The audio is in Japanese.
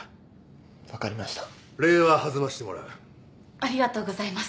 ありがとうございます。